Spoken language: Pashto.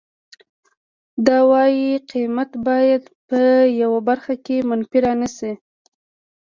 د وای قیمت باید په یوه برخه کې منفي را نشي